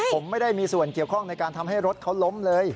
ผมไม่ได้มีส่วนเกี่ยวข้องในการทำให้รถเขาล้มเลย